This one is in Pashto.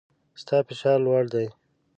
ستا فشار لوړ دی